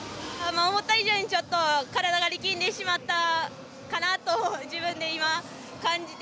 思った以上にちょっと体が力んでしまったかなと自分で今感じていて。